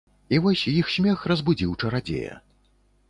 І вось іх смех разбудзіў чарадзея.